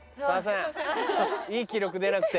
いい記録でなくて。